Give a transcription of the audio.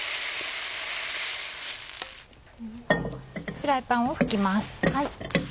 フライパンを拭きます。